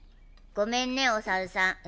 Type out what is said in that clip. ごめんねお猿さん。